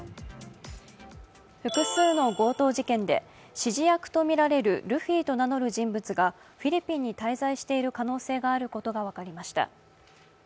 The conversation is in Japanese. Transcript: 複数の強盗事件で指示薬とみられるルフィと名乗る人物がフィリピンに滞在している可能性があることが分かりました。